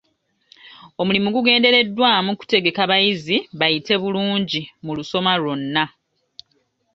Omulimu gugendereddwamu kutegeka bayizi bayite bulungi mu lusoma lwonna.